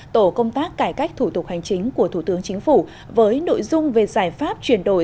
tổ công tác cải cách thủ tục hành chính của thủ tướng chính phủ với nội dung về giải pháp chuyển đổi